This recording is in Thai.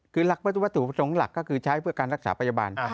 คือหลักวัตถุประสงค์หลักก็คือใช้เพื่อการรักษาพยาบาล